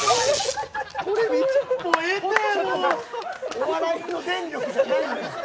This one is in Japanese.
お笑いの電力じゃない。